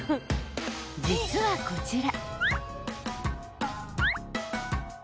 ［実はこちら］